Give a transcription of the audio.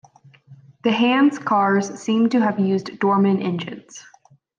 The Hands cars seem to have used Dorman engines.